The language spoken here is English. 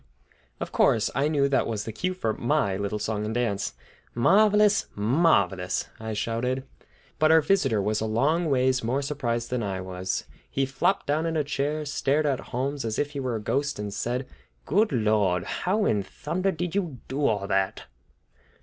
Of course, I knew that was the cue for my little song and dance. "Marvelous! marvelous!" I shouted. But our visitor was a long ways more surprised than I was. He flopped down in a chair, stared at Holmes as if he were a ghost, and said: "Good Lord! How in thunder did you get onto all that?"